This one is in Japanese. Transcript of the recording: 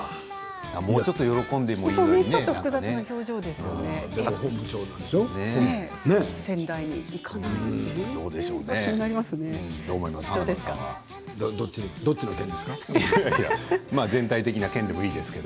もうちょっと喜んでもいいんだけど。